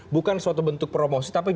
bukan suatu bentuk perusahaan yang berbeda